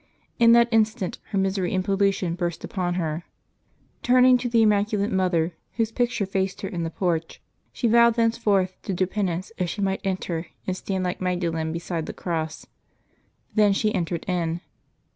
In that instant her misery and pollution burst upon her. Turning to the Immaculate Mother, whose picture faced her in the porch, she vowed thenceforth to do penance if she might enter and stand like Magdalen beside the Cross. Then she entered in.